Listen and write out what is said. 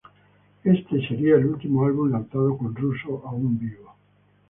Este sería el último álbum lanzado con Russo aún vivo.